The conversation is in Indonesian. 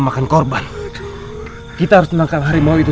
makan korban kita harus menangkan harimau itu